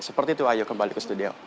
seperti itu ayo kembali ke studio